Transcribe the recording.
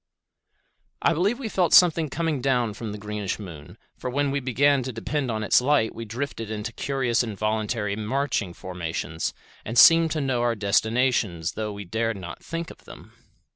I believe we felt something coming down from the greenish moon, for when we began to depend on its light we drifted into curious involuntary formations and seemed to know our destinations though we dared not think of them.